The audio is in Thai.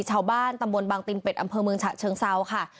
ชาวบ้านตำบลบางตินเป็ดอำเภอเมืองฉะเชิงเซาค่ะ